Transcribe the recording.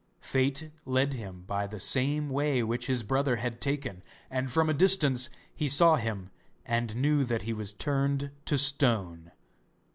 Fate led him by the same way which his brother had taken, and from a distance he saw him and knew that he was turned to stone.